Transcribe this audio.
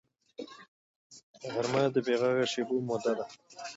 غرمه د بېغږه شېبو موده ده